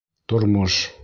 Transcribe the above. Тормош...